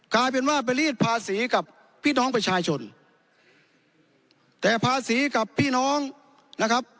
กลายเป็นว่าไปรีดภาษีกับพี่น้องประชาชนแต่ภาษีกับพี่น้องนะครับ